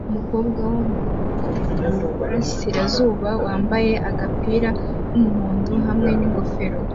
Umukobwa wo mu burasirazuba wambaye agapira k'umuhondo hamwe n'ingofero